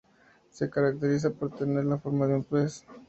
Se caracteriza por tener la forma de un pez.